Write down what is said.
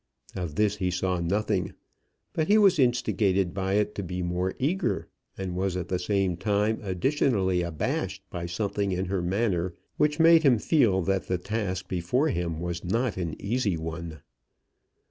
Of this he saw nothing; but he was instigated by it to be more eager, and was at the same time additionally abashed by something in her manner which made him feel that the task before him was not an easy one.